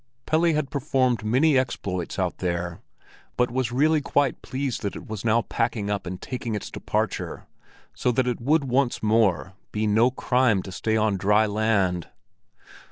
Pelle had performed many exploits out there, but was really quite pleased that it was now packing up and taking its departure, so that it would once more be no crime to stay on dry land.